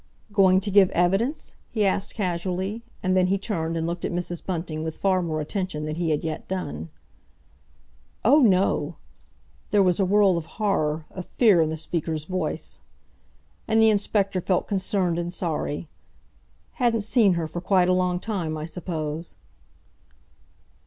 "Going to give evidence?" he asked casually, and then he turned and looked at Mrs. Bunting with far more attention than he had yet done. "Oh, no!" There was a world of horror, of fear in the speaker's voice. And the inspector felt concerned and sorry. "Hadn't seen her for quite a long time, I suppose?"